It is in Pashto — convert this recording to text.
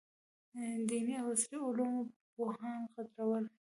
دیني او عصري علومو پوهان قدرول.